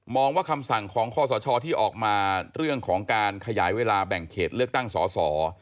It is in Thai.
ว่าคำสั่งของข้อสชที่ออกมาเรื่องของการขยายเวลาแบ่งเขตเลือกตั้งสอสอ